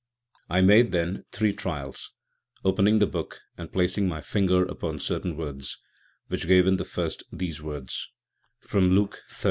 "I made, then, three trials, opening, the Book and placing my Finger upon certain words: which gave in the first these words, from Luke xiii.